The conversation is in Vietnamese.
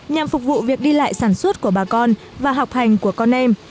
nhằm phục vụ việc đi lại sản xuất của bà con và học hành của con em